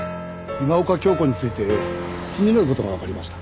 今岡鏡子について気になる事がわかりました。